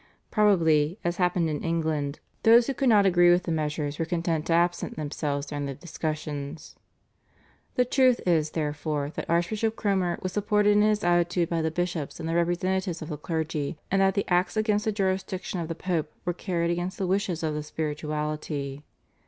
Probably, as happened in England, those who could not agree with the measures were content to absent themselves during the discussions. The truth is, therefore, that Archbishop Cromer was supported in his attitude by the bishops and the representatives of the clergy, and that the acts against the jurisdiction of the Pope were carried against the wishes of the spirituality.